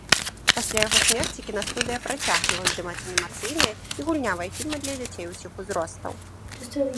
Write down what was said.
Пасля яго смерці кінастудыя працягнула здымаць анімацыйныя і гульнявыя фільмы для дзяцей усіх узростаў.